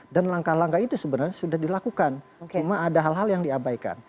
dan langkah langkah itu sebenarnya sudah dilakukan cuma ada hal hal yang diabaikan